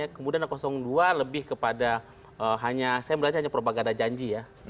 kemudian dua lebih kepada hanya saya melihatnya hanya propaganda janji ya